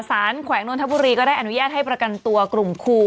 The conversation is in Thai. แขวงนนทบุรีก็ได้อนุญาตให้ประกันตัวกลุ่มครู